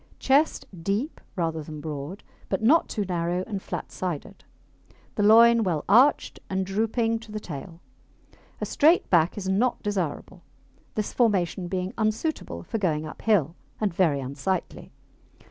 Chest deep rather than broad, but not too narrow and flat sided. The loin well arched and drooping to the tail. A straight back is not desirable, this formation being unsuitable for going uphill, and very unsightly.